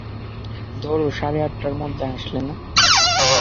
ধরো, সাড়ে আটটার মধ্যে আসলে না।